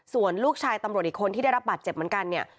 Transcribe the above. ส่วนลูกชายตำรวจอีกคนที่ได้รับบาดเจ็บเหมือนกันเนี่ย